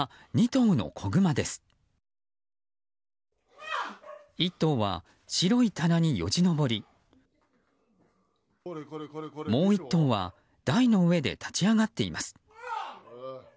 １頭は白い棚によじ登りもう１頭は台の上で立ち上がっています。